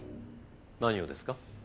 何をですか？